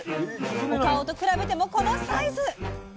お顔と比べてもこのサイズ！